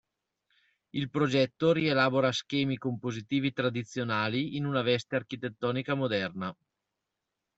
Il progetto rielabora schemi compositivi tradizionali in una veste architettonica moderna.